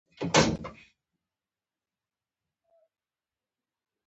انار د کندهار نښه ده.